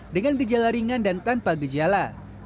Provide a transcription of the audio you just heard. dengan gejala ringan dan tanpa gejala